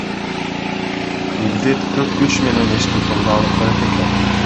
Илдет көп күч менен эстутумду алып коёт экен.